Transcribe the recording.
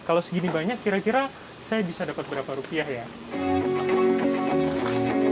kalau segini banyak kira kira saya bisa dapat berapa rupiah ya